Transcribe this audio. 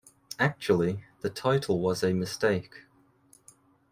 Actually, the title was a mistake.